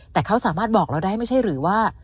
แต่เขาสามารถบอกเราได้ไม่ใช่หรือว่า